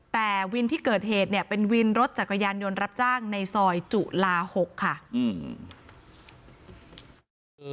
แต่วินที่เกิดเหตุเนี่ยเป็นวินรถจักรยานยนต์รับจ้างในซอยจุลา๖ค่ะอืม